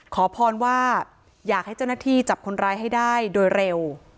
ขอพรว่าอยากให้เจ้าหน้าที่จับคนร้ายให้ได้โดยเร็ว